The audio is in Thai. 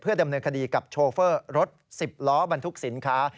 ดำเนินคดีกับโชเฟอร์รถ๑๐ล้อบรรทุกสินค้า